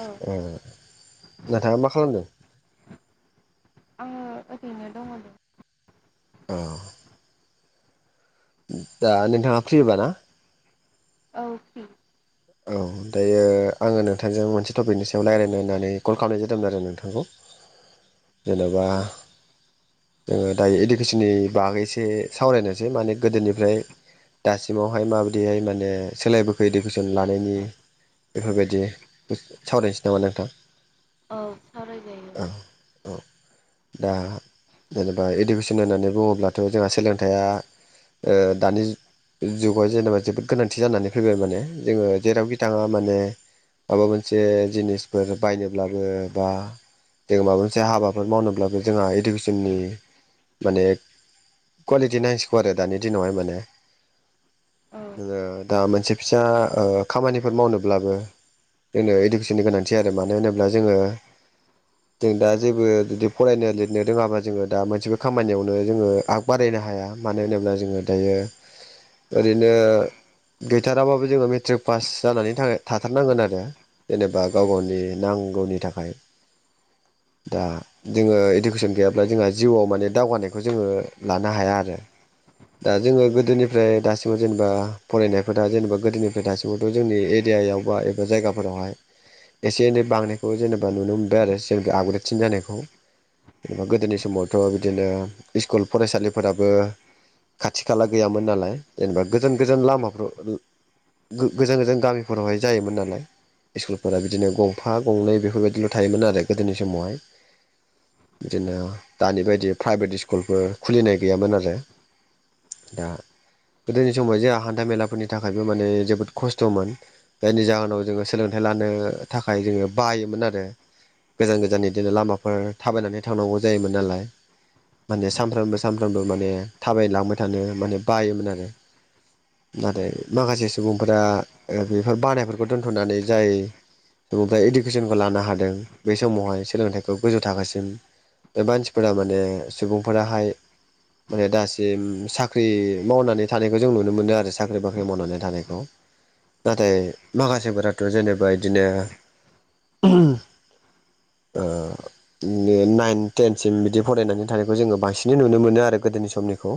औ अ नोंथाङा मा खालामदों आङो ओरैनो दङलै औ दा नोंथाङा फ्रिबाना औ फै औ दायो आङो नोंथांजों मोनसे टपिकनि सायाव रायज्लायनो होननानै कल खालामनाय जादोंमोन आरो नोंथांखौ जेनेबा जोङो दायो इडुकेसननि बागै एसे सावरायनोसै माने गोदोनिफ्राय दासिमावहाय माबायदिहाय माने सोलायबोखो इदिखौ सन लानायनि बेफोरबायदि सावरायनोसै नामा नोंथां औ सावराय जायो औ औ दा जेनेबा इडुकेसन होननानै बुङोब्लाथ' जोंहा सोलोंथाइया ओ दानि जुगाव जेनेबा जोबोद गोनांथि जानानै फैबाय माने जोङो जेरावखि थाङा माने माबा मोनसे जिनिसफोर बायनोब्लाबो बा जोङो माबा मोनसे हाबाफोर मावनोब्लाबो जोंहा इडुकेसननि माने कुवालिटि नांसिगौ आरो दानि दिनावहाय माने औ नोङो दा मोनसे फिसा ओ खामानिफोर मावनोब्लाबो जोंनो इडुकेसननि गोनांथि आरो मानो होनोब्ला जोङो जों दा जेबो जुदि फरायनो लिरनो रोङाबा जोङो दा मोनसेबो खामानियावनो जोङो आग बारायनो हाया मानो होनोब्ला जोङो दायो ओरैनो गैथाराबाबो जोङो मेट्रिक पास जानानैथाखाय थाथारनांगोन आरो जेनेबा गाव-गावनि नांगौनि थाखाय दा जोङो इडुकेसन गैयाब्ला जोंहा जिउआव माने दावगानायखौ जोङो लानो हाया आरो दा जोङो गोदोनिफ्राय दासिमाव जेनेबा फरायनायफोरा जेनेबा गोदोनिफ्राय दासिमावथ' जोंनि एरियायाव बा एबा जायगाफोरावहाय एसे एनै बांनायखौ जेनेबा नुनो मोनबाय आरो जेनेबा आपग्रेडसिन जानायखौ जेनेबा गोदोनि समावथ' बिदिनो स्कुल फरायसालिफोराबो खाथि-खाला गैयामोन नालाय जेनेबा गोजान-गोजान लामाफ्राव ओ गो-गोजान-गोजान गामिफोरावहाय जायोमोन नालाय स्कुलफोरा बिदिनो गंफा गंनै बेफोरबायदिल' थायोमोन आरो गोदोनि समावहाय बिदिनो दानि बायदि प्राइभेट स्कुलफोर खुलिनाय गैयामोन आरो दा गोदोनि समाव जे हान्था मेलाफोरनि थाखायबो माने जोब जोबोद खस्थ'मोन जायनि जाहोनाव जोङो सोलोंथाइ लानो थाखाय जोङो बायोमोन आरो गोजान-गोजान बिदिनो लामाफोर थाबायनानै थांनांगौ जायोमोन नालाय माने सानफ्रामबो सानफ्रामबो माने थाबायलांबाय थानो माने बायोमोन आरो। नाथाय माखासे सुबुंफोरा ओ बेफोर बानायफोरखौ दोन्थ'नानै जाय बिनिफ्राय इडुकेसनखौ लानो हादों बे समावहाय सोलोंथाइखौ गोजौ थाखोसिम। बे मानसिफोरा माने सुबुंफोराहाय माने दासिम साख्रि मावनानै थानायखौ जों नुनो मोनो आरो साख्रि-बाख्रि मावनानै थानायखौ होम नाथाय माखासेफोराथ' जेनेबा इदिनो ओहोम ओ ने-नाइन टेनसिम बिदि फरायनानै थानायखौ जोङो बांसिनै नुनो मोनो आरो गोदोनि समनिखौ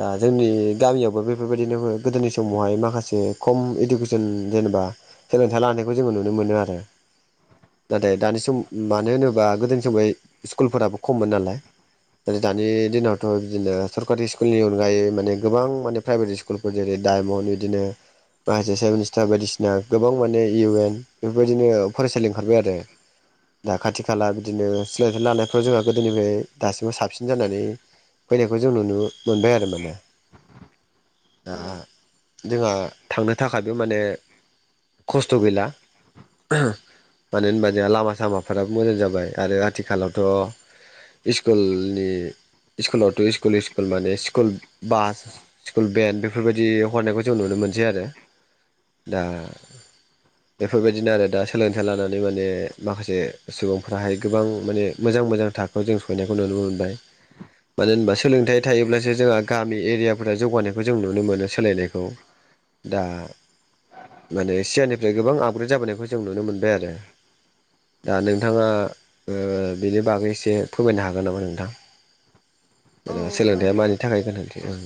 दा जोंनि गामियावबो बेफोरबायदिनो गोदोनि स समावहाय माखासे खम इडुकेसन जेनेबा सोलोंथाइ लानायखौ जोङो नुनो मोनो आरो नाथाय दानि सम मानो होनोबा गोदोनि समाव स्कुलफोराबो खममोन नालाय। दानि दिनावथ' बिदिनो सरकारि स्कुलनि अनगायै माने गोबां माने प्राइभेट स्कुलफोर जेरै- डायमन्ड बिदिनो माखासे सेभ मिनिस्टार बायदिसिना गोबां माने इउ एन बेफोरबायदिनो फरायसालि ओंखारबाय आरो दा खाथि-खाला बिदिनो सोलायथ लानायफ्राव जोंहा गोदोनिफ्राय दासिमबो साबसिन जानानै फैनायखौ जों नुनो मोनबाय आरो माने दा औ जोंहा थांनो थाखायबो माने खस्थ' गैला ओहो, मानो होनबा जोंहा लामा-सामाफ्राबो मोजां जाबाय आरो आथिखालावथ' इस्कुलनि स्कुलावथ' स्कुल-स्कुल माने स्कुल बास स्कुल भेन बेफोरबायदि फरायनायखौ जों नुनो मोनसै आरो दा बेफोरबायदिनो आरो दा सोलोंथाइ लानानै माने माखासे सुबुंफ्राहाय गोबां माने मोजां मोजां थाखोआव जों सौहैनायखौ नुनो मोनबाय। मानो होनबा सोलोंथाइया थायोब्लासो जोंहा गामि एरियाफोराव जौगानायखौ जों नुनो मोनो सोलायनाय औ दा माने सियानि ओफ्राय गोबां आपग्रेड जाबोनायखौ जों नुनो मोनबाय आरो। दा नोंथाङा ओ बेनि बागै एसे फोरमायनो हागोन नामा नोंथां? औ जेन'बा सोलोंथाइया माने मानि थाखाय गोनांथि? ओं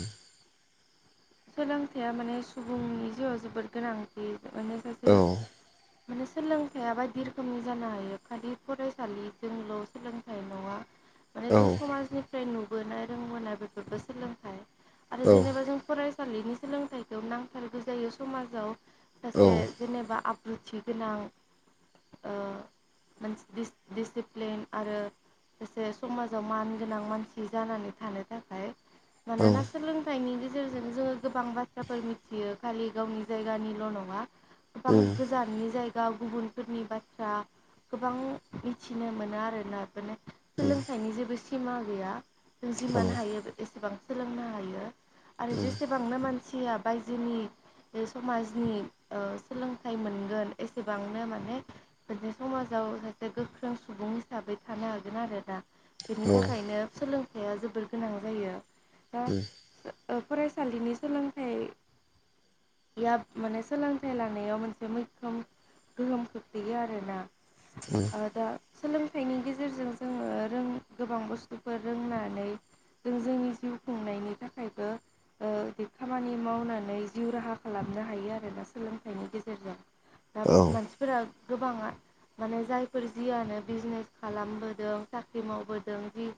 सोलोंथाइया माने सुबुंनि जिउआव जोबोद गोनांथि। माने सासे औ माने सोलोंथाइया बाय बायदि रोखोमनि जानो हायो खालि फरायसालिजोंल' सोलोंथाइ नङा। माने औ जों समाजनिफ्राय नुबोनाय रोंबोनाय बेफोरबो सोलोंथाइ आरो औ जेनेबा जों फरायसालिनि सोलोंथाइखौ नांथारगौ जायो समाजाव औ सासे जेनेबा आब रुथिगोनां [inaudible] मोनसे दिसिप्लिन आरो सासे समाजाव मान गोनां मानसि जानानै थानो थाखाय औ मानोना सोलोंथाइनि गेजेरजों जोङो गोबां बाथ्राफोर मिथियो खालि गावनि जायगानिल' नङा गोबां उम गोजाननि जायग गाव गुबुनफोरनि बाथ्रा गोबां मिथिनो मोनो आरोना बेफोरनो सोलोंथाइनि जेबो सिमा गैया जों औ जिमान हायो एसेबां सोलोंनो हायो। आरो उम जेसेबांनो मानसिया बायजोनि बे समाजनि ओ सोलोंथाइ मोनगोन एसेबांनो माने बि समाजाव [unintelligible] सासे गोख्रों सुबुं हिसाबै थानो हागोन आरो दा बेनि औ उम थाखायनो सोलोंथाइया जोबोर गोनां जायो। उ ओ फरायसालिनि सोलोंथाइ मा माने सोलोंथाइ लानायाव मोनसे मैखोम गोहोम खोख्लैयो आरोना औ ओ दा सोलोंथाइनि गेजेरजों जों ओ रों गोबां बुस्थुफोर रोंनानै जों जोंनि जिउ खुंनायनि थाखायबो ओ खामानि मावनानै जिउ राहा खालामनो हायो आरोना सोलोंथाइनि गेजेरजों दा औ उम औ उम औ उम औ मानसिफोरा गोबाङा माने जायफोर जियानो बिजनेस खालामबोदों साख्रि मावबोदों जि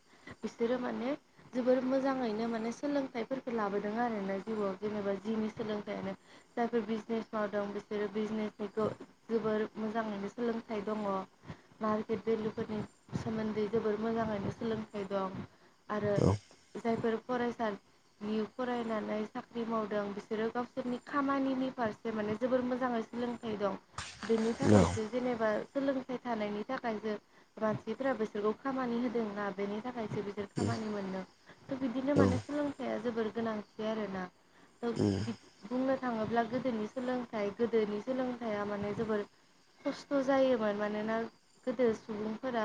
बिसोरो माने जोबोर मोजाङैनो माने सोलोंथाइ लाबोदों आरोना जिउआव जेनेबा जिउनि सोलोंथाइयानो जायफोर बिजनेस मावदों बिसोरो नि जोबोर मोजाङैनो सोलोंथाइ दङ। मार्केट भेलुफोरनि सोमोन्दै जोबोर मोजाङैनो सोलोंथाइ दं। आरो जायफोर फरायसा नि फरायनानै साख्रि मावदों बिसोरो गावसोरनि खामानिनि फारसे माने जोबोर मोजाङै सोलों दं बेनि थाखायसो जेनेबा सोलोंथाइ थानायनि थाखाय सो मानसिफोरा बिसोरखौ खामानि होदोंना बेनि थाखाय बिसोर गिदिर खामानि मोनदों थ' बिदिनो माने सोलोंथाइया जोबोर गोनांथि आरोना औ बुंनो थाङोब्ला गोदोनि सोलोंथाइ गोदोनि सोलोंथाइया माने जोबोर खस्थ' जायोमोन मानोना गोदो सुबुंफोरा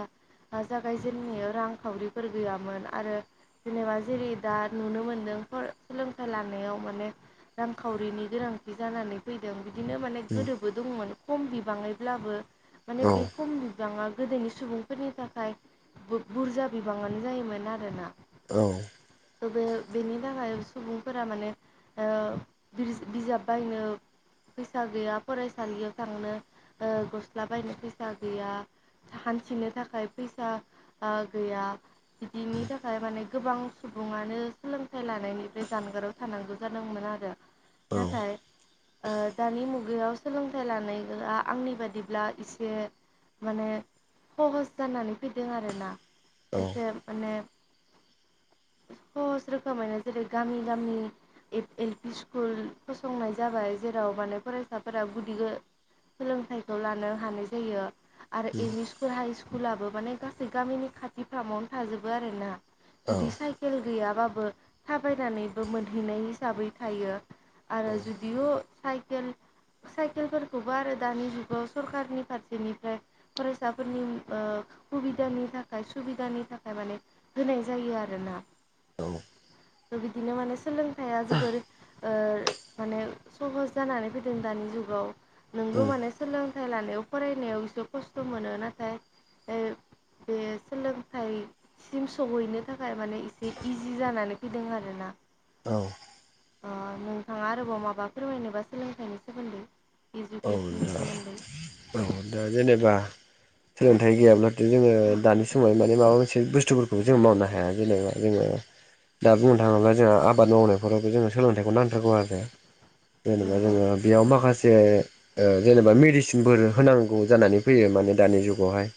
जागायजेनायाव रांखावरिफोर गैयामोन आरो जेनेबा जेरै दा नुनो मोनदों सोलोंथाइ लानायाव माने रांखावरिनि गोनांथि जानानै फैदों। बिदिनो माने उम गोदोबो दंमोन खम बिबाङैब्लाबो माने बे खम बिबाङा गोदोनि सुबुंफोरनि थाखाय बुरजा बिबाङानो जायोमोन आरोना औ थ' बे बेनि थाखाय सुबुंफोरा माने ओ बिजाब बायनो फैसा गैया फरायसालियाव थांनो गस्ला बायनो फैसा गैया [unintelligible] थिनो थाखाय फैसा ओ गैया बिदिनि थाखाय माने गोबां सुबुं सुबुङानो सोलोंथाइ लानायनिफ्राय जानगाराव थानांगौ जादोंमोन आरो औ नाथाय ओ दानि मुग गायाव सोलोंथाइ लानाया आंनि बादिब्ला एसे माने सहस जानानै फैदों आरोना एसे माने सहज रोखोमैनो जेरै गामि गामि एप एल पि स्कुल फसंनाय जाबाय जेराव माने फरायसाफोरा गुदि ओ सोलोंथाइखौ लानो हानाय जायो। आरो एम इ स्कुल हाइ स्कुलाबो माने गासै गामिनि खाथि फ्रामावनो थाजोबो आरो ना। जुदि साइकेल गैयाबाबो थाबायनानैबो मोनहैनाय हिसाबै थायो। आरो जुदिअ साइकेल साइकेलफोरखौबो आरो दानि जुगाव सरखारनि फारसेनिफ्राय फरायसाफोरनि उम ओ सुबिदानि थाखाय सुबिदानि थाखाय माने होनाय जायो आरोना। औ। थ' बिदिनो माने सोलोंथाइया जोबोर ओ माने सहस जानानै फैदों दानि जुगाव नोंगौ माने सोलों थाय लानायाव फरायनायाव एसे खस्थ' मोनो नाथाय ओ बे सोलोंथाइसिम सहैनो थाखाय माने एसे इजि जानानै फैदों आरोना। औ। ओ नोंथांआ आरोबाव माबा फोरमायनोबा सोलोंथाइनि सोमोन्दै। औ इडुकेसननि दा सोमोन्दै औ दा जेनेबा सोलोंथाइ गैयाब्लाथ' जोङो दानि समाव माने माबा मोनसे बुस्थुफोरखौबो जों मावनो हाया जेनेबा जोङो दा बुंनो थाङोब्ला जोंहा आबाद मावनायफोरावबो जोङो सोलोंथाइखौ नांथारगौ आरो जेनेबा नंगौ जोङो बेयाव माखासे ओ जेनेबा मेडिसिनफोर होनांगौ जानानै फैयो माने दानि जुगावहाय।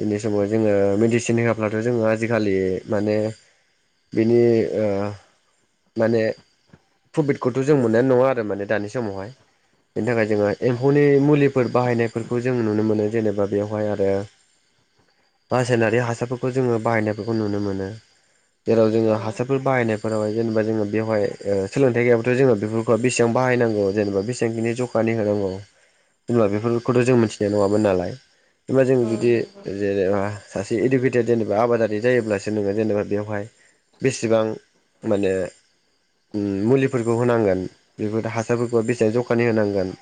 बेनि समाव जोङो मेडिसिन होआाबलाथ' जोङो आजिखालि माने बिनि ओ माने प्रफिटखौथ' जों मोननाय नङा आरो माने दानि समावहाय बेनि थाखाय जोङो एम्फौनि मुलि फोर बाहायनायफोरखौ जों नुनो मोनो जेनेबा बेवहाय आरो रासायनारि हासारफोरखौ जोङो बाहायनायफोरखौ नुनो मोनो। जेराव जोङो औ हासारफोर बाहायनाय फोरावहाय जेनेबा जोङो बेवहाय सोलोंथाइ गैयाबथ' जोङो बेफोरखौ बेसेबां बाहायनांगौ जेनेबा बेसेबां बिनि जख खानि होनांगौ होनब्ला बेफोरखौथ' जों मिथिनाय नङामोन नालाय एबा जों औ जुदि नंगौ जेनेबा सासे इडुकेटेड जेनेबा आबादारि जायोब्लासो नोङो जेनेबा बेवहाय बेसेबां माने उम मुलिफोरखौ होनांगोन बेफोर हासारफोरखौ बेसेबां जखानि होनांगोन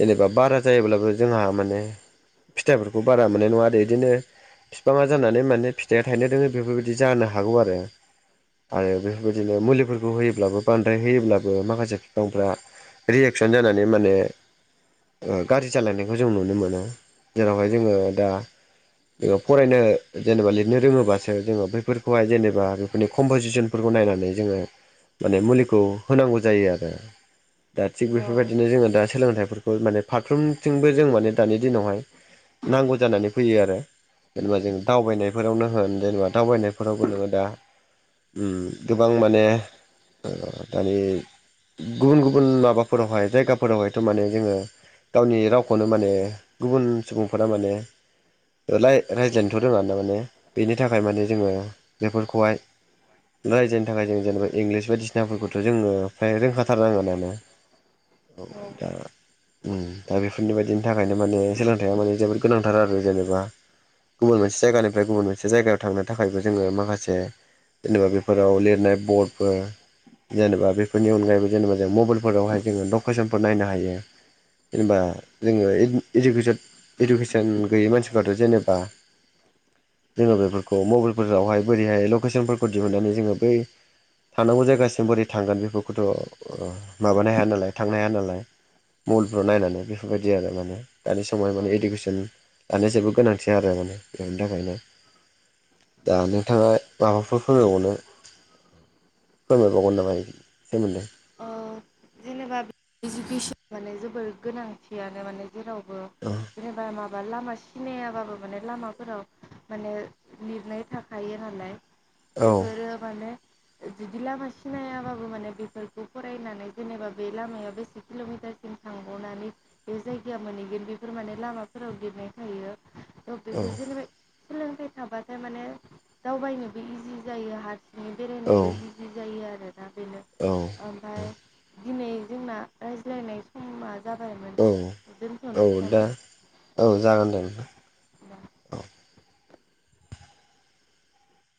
जेनेबा बारा जायोब्लाबो जोंहा माने फिथाइफोरखौ बारा मोननाय नङा आरो इदिनो बिफांआ जानानै माने फिथाइया थाइनो रोङै बेफोरबायदि जानो हागौ आरो आरो बेफोरबायदिनो मुलिफोरखौ होयोब्लाबो बांद्राय होयोब्लाबो माखासे बिफांफ्रा रिएक्सन जानानै माने ओ गारि सालायनायखौ जों नुनो मोनो जेरावहाय जोङो दा फरायनो जेनेबा लिरनो रोङोबासो जोङो बैफोरखौहाय जेनेबा बेफोरनि कमप'जिसनफोरखौ नायनानै जोङो माने मुलिखौ होनांगौ जायो आरो दा थिग बेफोरबायदि औ जोङो दा सोलोंथाइफोरखौ माने फारफ्रोमथिंबो जों माने दानि दिनावहाय नांगौ जानानै फैयो आरो जेनेबा जों दावबायनायफोरावनो होन जेनेबा दावबायनायफोरावबो नोङो दा उम गोबां माने ओ दानि गुबुन गुबुन माबाफोरावहाय जायगाफोरावहायथ' माने जोङो गावनि रावखौनो माने गुबुन सुबुंफोरा माने राय-रायज्लायनोथ' रोङा ना माने बेनि थाखाय माने जोङो बेफोरखौहाय रायजायनो थाखाय जों जेनेबा इंलिस बायदिसिनाफोरखौथ' जोङो फ्राय रोंखा थारनांगोनानो। औ। दा बेफोरनि बायदिनि थाखायनो माने सोलोंथाइया माने जोबोद गोनांथार आरो जेनेबा गुबुन मोनसे जायगानिफ्राय गुबुन मोनसे जायगायाव थांनो थाखायबो जोङो माखासे जेनेबा बेफोराव लिरनाय बर्डफोर जेनेबा बेफोरनि अनगायैबो जेनेबा जों मबाइलफोरावहाय जोङो लकेसनफोर नायनो हायो। जेनबा जोङो इेस-इजुकेसन- इडुकेसन गैयै मानसिफ्राथ' जेनेबा जोङो बेफोरखौ मबाइलफोरावहाय बोरैहाय लकेसनफोरखौ दिहुननानै जोङो बै थांनांगौ जायगासिम बोरै थांगोन बेफोरखौथ' ओ माबानो हाया नालाय थांनो हाया नालाय मबाइलफ्राव नायनानै बेफोरबायदि आरो माने दानि समाव माने औ इडुकेसन दानि जुगाव गोनांथि आरो माने बेनि थाखायनो। दा नोंथाङा माबाफोर फोरमायबावनो फोरमायबावगोन नामा इफोरनि सोमोन्दै ओ जेनेबा इडुकेसन माने जोबोर गोनांथियानो माने जेरावबो औ जेनेबा माबा लामा सिनायाबाबो माने लामाफोराव माने लिरनाय थाखायो नालाय बेफोरो माने बिदि लामा सिनायाबाबो माने बेफोर- खौ फरायनानै जेनेबा बे लामाया बेसे किल'मिटारसिम थांबावनानै बे जायगाया मोनहैगोन बे बेफोर माने लामाफोराव लिरनाय थायो त' बेफोर जेनेबा सोलोंथाइ थाबाथाय माने दावबायनोबो इजि जायो हारसिं बेरायनोबो औ इजि जायो आरोना बेनो औ औ ओमफाय दिनै जोंना रायज्लायनाय समा जाबायमोन औ, औ दोनथ'नोसै दे, नामा औ जागोन दे नोंथां होमबा औ।